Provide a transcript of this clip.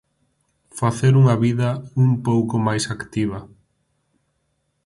Facer unha vida un pouco máis activa.